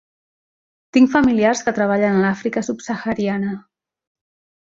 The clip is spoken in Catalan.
Tinc familiars que treballen a l'Àfrica subsahariana.